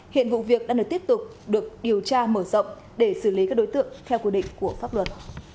hiện vụ việc đang được tiếp tục được điều tra mở rộng để xử lý các đối tượng theo quy định của pháp luật